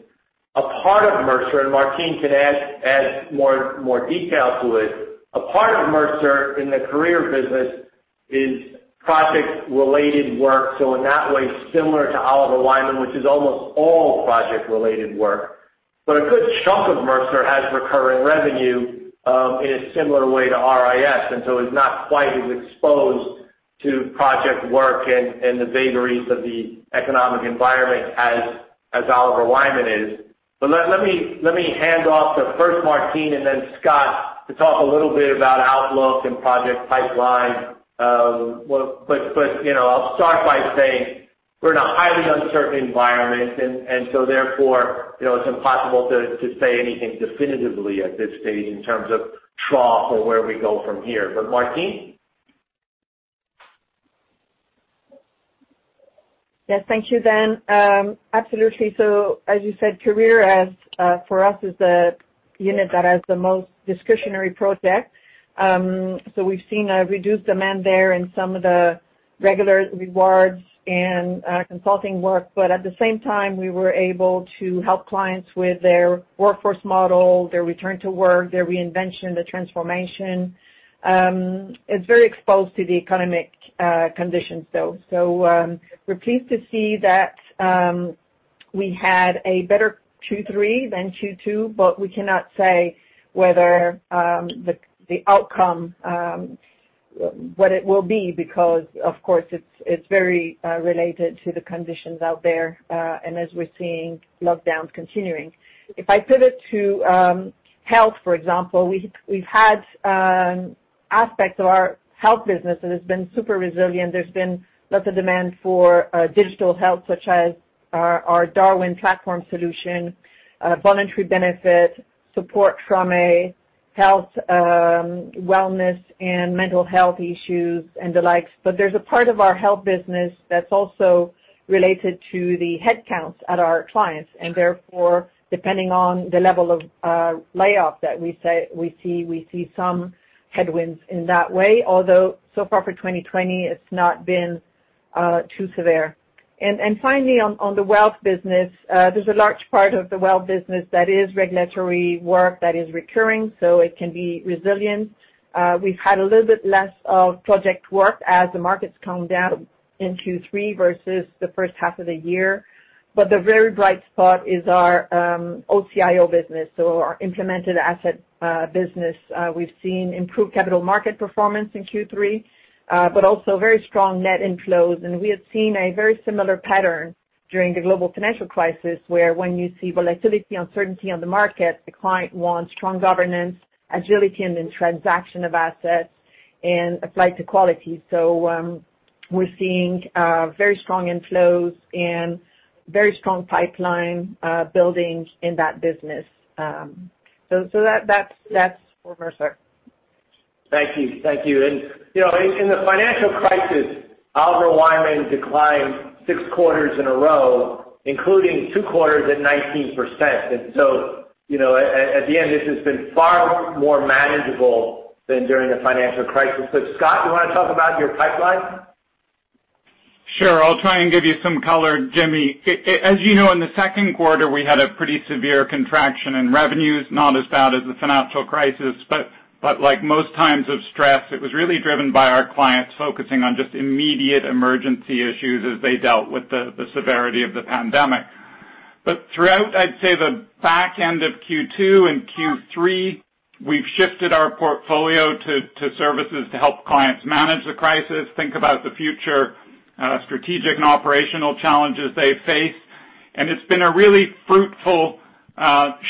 A part of Mercer, and Martine can add more detail to it, a part of Mercer in the career business is project-related work. In that way, similar to Oliver Wyman, which is almost all project-related work. A good chunk of Mercer has recurring revenue in a similar way to RIS, and so it's not quite as exposed to project work and the vagaries of the economic environment as Oliver Wyman is. Let me hand off to first Martine and then Scott to talk a little bit about outlook and project pipeline. I'll start by saying we're in a highly uncertain environment, and so therefore, it's impossible to say anything definitively at this stage in terms of trough or where we go from here. Martine? Yes, thank you, Dan. Absolutely. As you said, career for us is the unit that has the most discretionary projects. We have seen a reduced demand there in some of the regular rewards and consulting work. At the same time, we were able to help clients with their workforce model, their return to work, their reinvention, the transformation. It is very exposed to the economic conditions, though. We are pleased to see that we had a better Q3 than Q2, but we cannot say whether the outcome, what it will be, because, of course, it is very related to the conditions out there and as we are seeing lockdowns continuing. If I pivot to health, for example, we have had aspects of our health business that have been super resilient. There's been lots of demand for digital health, such as our Darwin platform solution, voluntary benefit, support from health, wellness, and mental health issues, and the likes. There's a part of our health business that's also related to the headcounts at our clients. Therefore, depending on the level of layoff that we see, we see some headwinds in that way, although so far for 2020, it's not been too severe. Finally, on the wealth business, there's a large part of the wealth business that is regulatory work that is recurring, so it can be resilient. We've had a little bit less of project work as the markets calmed down in Q3 versus the first half of the year. The very bright spot is our OCIO business, so our implemented asset business. We've seen improved capital market performance in Q3, but also very strong net inflows. We had seen a very similar pattern during the global financial crisis where when you see volatility, uncertainty on the market, the client wants strong governance, agility, and then transaction of assets and applied to quality. We are seeing very strong inflows and very strong pipeline building in that business. That is for Mercer. Thank you. Thank you. In the financial crisis, Oliver Wyman declined six quarters in a row, including two quarters at 19%. At the end, this has been far more manageable than during the financial crisis. Scott, you want to talk about your pipeline? Sure. I'll try and give you some color, Jimmy. As you know, in the second quarter, we had a pretty severe contraction in revenues, not as bad as the financial crisis, but like most times of stress, it was really driven by our clients focusing on just immediate emergency issues as they dealt with the severity of the pandemic. Throughout, I'd say the back end of Q2 and Q3, we've shifted our portfolio to services to help clients manage the crisis, think about the future strategic and operational challenges they face. It's been a really fruitful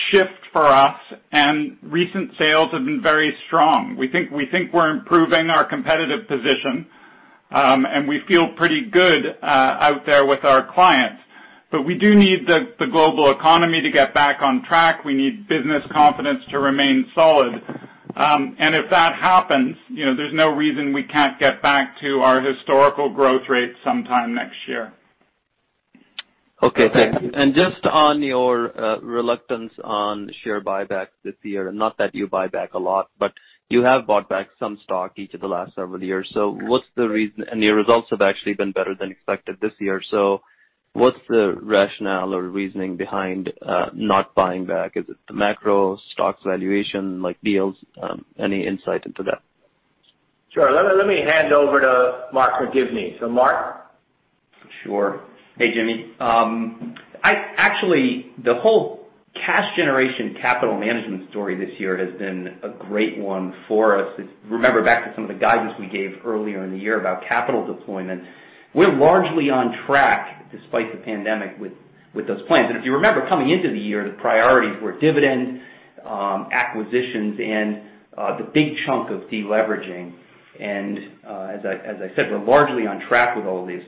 shift for us, and recent sales have been very strong. We think we're improving our competitive position, and we feel pretty good out there with our clients. We do need the global economy to get back on track. We need business confidence to remain solid. If that happens, there's no reason we can't get back to our historical growth rate sometime next year. Okay. Thank you. Just on your reluctance on share buyback this year, not that you buy back a lot, but you have bought back some stock each of the last several years. What's the reason? Your results have actually been better than expected this year. What's the rationale or reasoning behind not buying back? Is it the macro, stock's valuation, like deals? Any insight into that? Sure. Let me hand over to Mark McGivney. Mark? Sure. Hey, Jimmy. Actually, the whole cash generation capital management story this year has been a great one for us. Remember back to some of the guidance we gave earlier in the year about capital deployment. We're largely on track despite the pandemic with those plans. If you remember coming into the year, the priorities were dividends, acquisitions, and the big chunk of deleveraging. As I said, we're largely on track with all of these.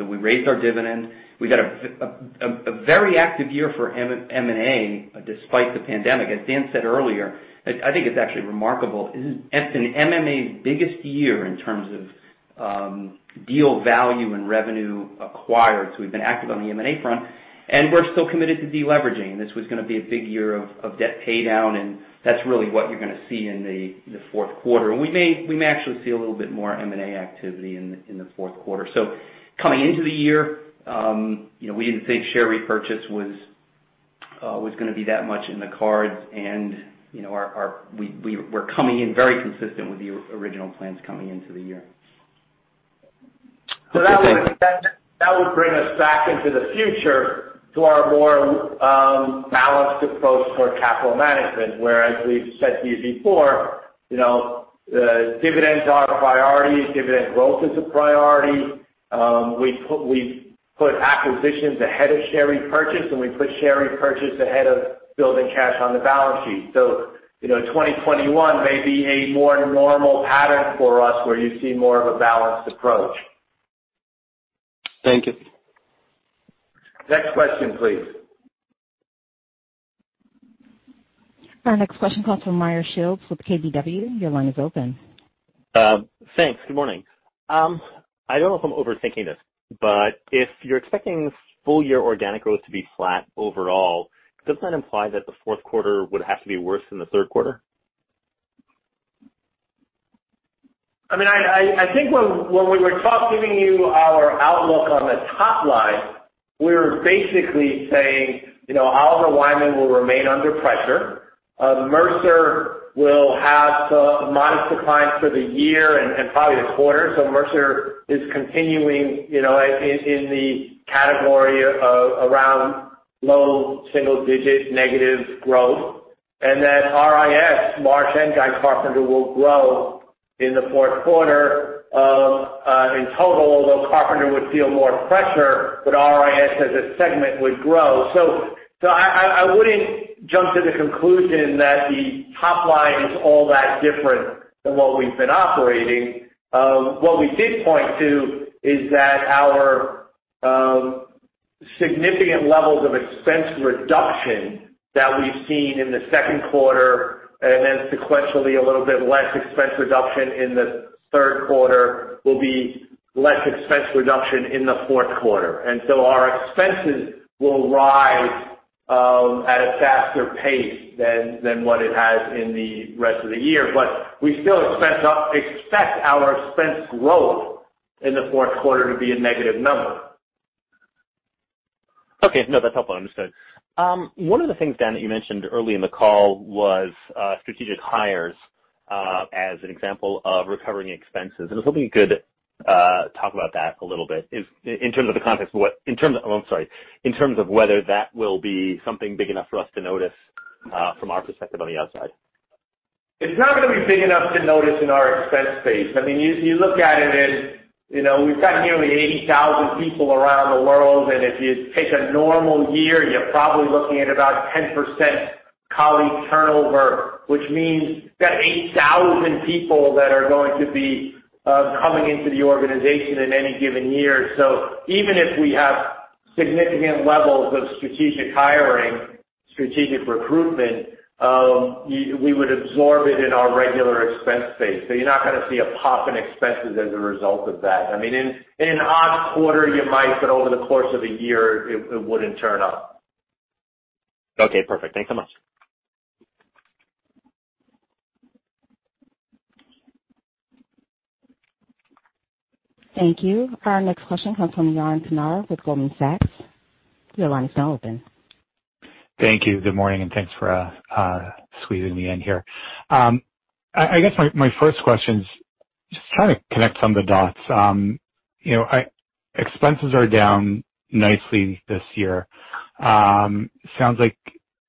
We raised our dividend. We've had a very active year for M&A despite the pandemic. As Dan said earlier, I think it's actually remarkable. It's been M&A's biggest year in terms of deal value and revenue acquired. We've been active on the M&A front, and we're still committed to deleveraging. This was going to be a big year of debt paydown, and that's really what you're going to see in the fourth quarter. We may actually see a little bit more M&A activity in the fourth quarter. Coming into the year, we didn't think share repurchase was going to be that much in the cards, and we're coming in very consistent with the original plans coming into the year. That would bring us back into the future to our more balanced approach to our capital management, whereas we've said to you before, dividends are a priority. Dividend growth is a priority. We put acquisitions ahead of share repurchase, and we put share repurchase ahead of building cash on the balance sheet. 2021 may be a more normal pattern for us where you see more of a balanced approach. Thank you. Next question, please. Our next question comes from Meyer Shields with KBW. Your line is open. Thanks. Good morning. I don't know if I'm overthinking this, but if you're expecting full-year organic growth to be flat overall, does that imply that the fourth quarter would have to be worse than the third quarter? I mean, I think when we were giving you our outlook on the top line, we were basically saying Oliver Wyman will remain under pressure. Mercer will have modest declines for the year and probably the quarter. Mercer is continuing in the category of around low single-digit negative growth. RIS, Marsh and Guy Carpenter, will grow in the fourth quarter in total, although Carpenter would feel more pressure, but RIS as a segment would grow. I would not jump to the conclusion that the top line is all that different than what we have been operating. What we did point to is that our significant levels of expense reduction that we have seen in the second quarter and then sequentially a little bit less expense reduction in the third quarter will be less expense reduction in the fourth quarter. Our expenses will rise at a faster pace than what it has in the rest of the year. We still expect our expense growth in the fourth quarter to be a negative number. Okay. No, that's helpful. Understood. One of the things, Dan, that you mentioned early in the call was strategic hires as an example of recovering expenses. I was hoping you could talk about that a little bit in terms of the context of what in terms of—I'm sorry—in terms of whether that will be something big enough for us to notice from our perspective on the outside. It's not going to be big enough to notice in our expense space. I mean, you look at it and we've got nearly 80,000 people around the world, and if you take a normal year, you're probably looking at about 10% colleague turnover, which means that 8,000 people that are going to be coming into the organization in any given year. Even if we have significant levels of strategic hiring, strategic recruitment, we would absorb it in our regular expense space. You're not going to see a pop in expenses as a result of that. I mean, in an odd quarter, you might, but over the course of a year, it wouldn't turn up. Okay. Perfect. Thanks so much. Thank you. Our next question comes from Yaron Kinar with Goldman Sachs. Your line is now open. Thank you. Good morning, and thanks for squeezing me in here. I guess my first question is just trying to connect some of the dots. Expenses are down nicely this year. It sounds like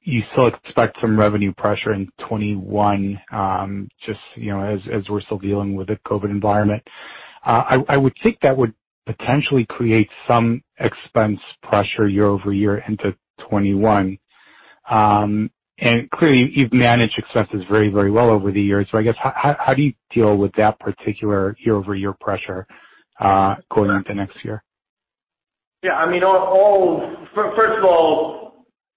you still expect some revenue pressure in 2021 just as we're still dealing with the COVID environment. I would think that would potentially create some expense pressure year over year into 2021. Clearly, you've managed expenses very, very well over the years. I guess, how do you deal with that particular year-over-year pressure going into next year? Yeah. I mean, first of all,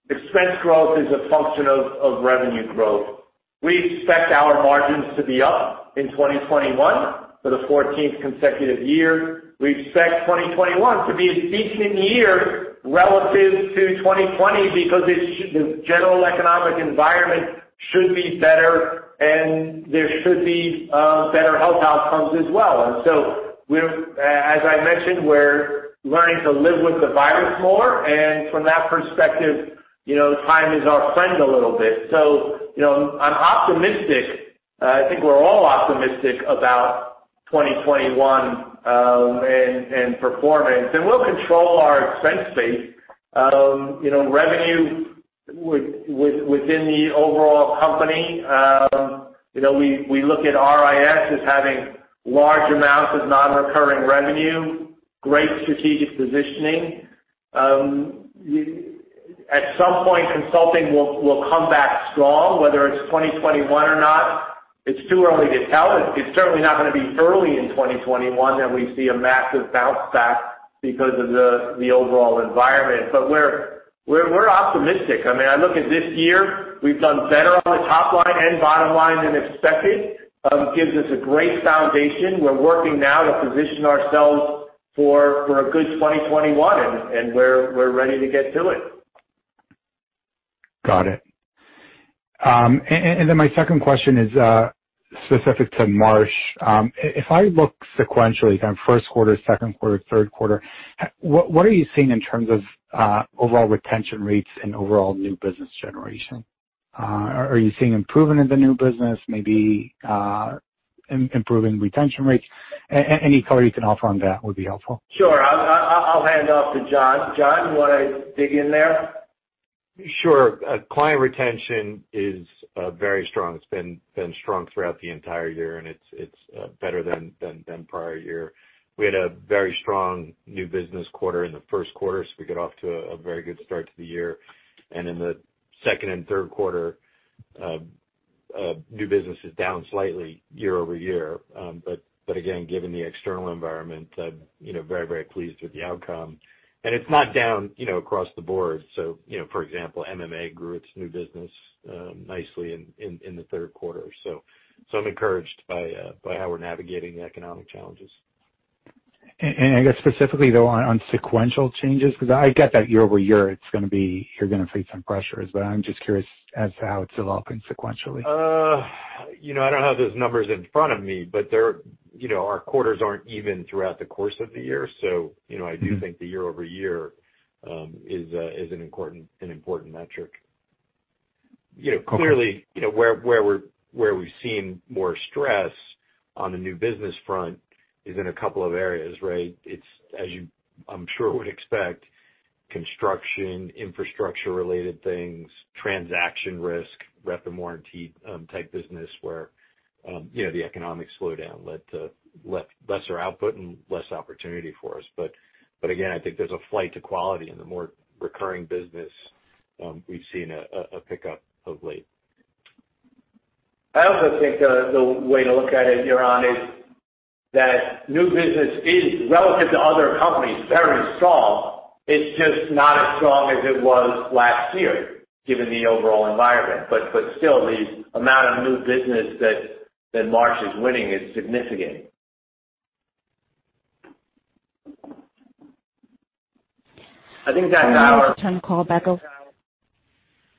expense growth is a function of revenue growth. We expect our margins to be up in 2021 for the 14th consecutive year. We expect 2021 to be a decent year relative to 2020 because the general economic environment should be better, and there should be better health outcomes as well. As I mentioned, we're learning to live with the virus more. From that perspective, time is our friend a little bit. I am optimistic. I think we're all optimistic about 2021 and performance. We'll control our expense space. Revenue within the overall company, we look at RIS as having large amounts of non-recurring revenue, great strategic positioning. At some point, consulting will come back strong, whether it's 2021 or not. It's too early to tell. It's certainly not going to be early in 2021 that we see a massive bounce back because of the overall environment. I mean, I look at this year, we've done better on the top line and bottom line than expected. It gives us a great foundation. We're working now to position ourselves for a good 2021, and we're ready to get to it. Got it. My second question is specific to Marsh. If I look sequentially, kind of first quarter, second quarter, third quarter, what are you seeing in terms of overall retention rates and overall new business generation? Are you seeing improvement in the new business, maybe improving retention rates? Any color you can offer on that would be helpful. Sure. I'll hand off to John. John, you want to dig in there? Sure. Client retention is very strong. It’s been strong throughout the entire year, and it’s better than prior year. We had a very strong new business quarter in the first quarter, so we got off to a very good start to the year. In the second and third quarter, new business is down slightly year-over-year. Again, given the external environment, very, very pleased with the outcome. It’s not down across the board. For example, M&A grew its new business nicely in the third quarter. I’m encouraged by how we’re navigating the economic challenges. I guess specifically, though, on sequential changes, because I get that year-over-year you're going to face some pressures, but I'm just curious as to how it's developing sequentially. I don't have those numbers in front of me, but our quarters aren't even throughout the course of the year. I do think the year-over-year is an important metric. Clearly, where we've seen more stress on the new business front is in a couple of areas, right? As you, I'm sure, would expect, construction, infrastructure-related things, transaction risk, Rep and Warranty type business, where the economic slowdown led to lesser output and less opportunity for us. Again, I think there's a flight to quality in the more recurring business. We've seen a pickup of late. I also think the way to look at it, Yaron, is that new business is, relative to other companies, very strong. It's just not as strong as it was last year, given the overall environment. Still, the amount of new business that Marsh is winning is significant. I think that's our. Now, I'll turn the call back over.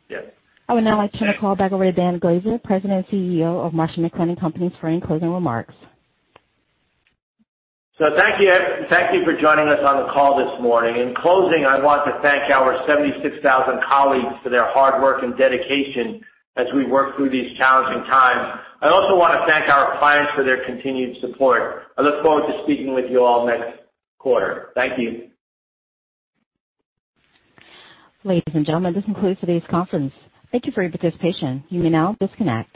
Yes. I would now like to turn the call back over to Dan Glaser, President and CEO of Marsh & McLennan Companies for any closing remarks. Thank you for joining us on the call this morning. In closing, I want to thank our 76,000 colleagues for their hard work and dedication as we work through these challenging times. I also want to thank our clients for their continued support. I look forward to speaking with you all next quarter. Thank you. Ladies and gentlemen, this concludes today's conference. Thank you for your participation. You may now disconnect.